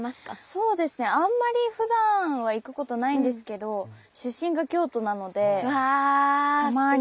そうですねあんまりふだんは行くことないんですけど出身が京都なのでたまにって感じですかね。